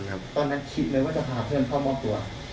ตอนนั้นคิดไหมว่าจะพาเพื่อนเข้ามอบตัว